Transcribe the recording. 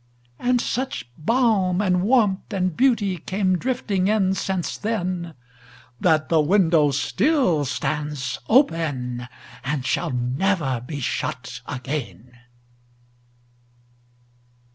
And such balm and warmth and beautyCame drifting in since then, That the window still stands openAnd shall never be shut again.